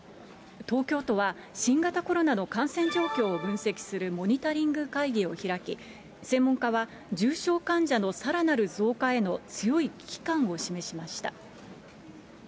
東京都は、新型コロナの感染状況を分析するモニタリング会議を開き、専門家は重症患者のさらなる増加への強い危機感を示しました。